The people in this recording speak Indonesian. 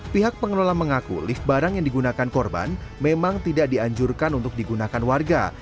pihak pengelola mengaku lift barang yang digunakan korban memang tidak dianjurkan untuk digunakan warga